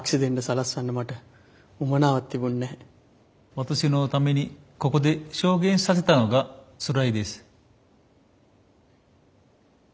私のためにここで証言させたのがつらいです。